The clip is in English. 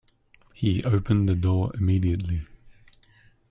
He opened the door immediately.